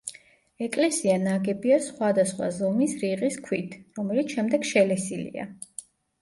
ეკლესია ნაგებია სხვადასხვა ზომის რიყის ქვით, რომელიც შემდეგ შელესილია.